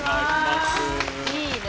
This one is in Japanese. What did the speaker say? いいね。